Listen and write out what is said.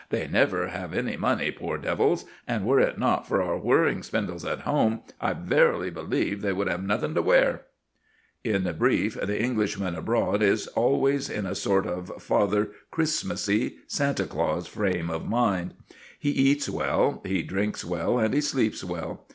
They never have any money, pore devils! and were it not for our whirring spindles at home, I verily believe they would have nothing to wear." In brief, the Englishman abroad is always in a sort of Father Christmassey, Santa Claus frame of mind. He eats well, he drinks well, and he sleeps well.